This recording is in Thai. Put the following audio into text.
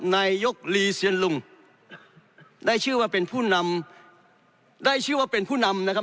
นายกลีเซียนลุงได้ชื่อว่าเป็นผู้นำได้ชื่อว่าเป็นผู้นำนะครับ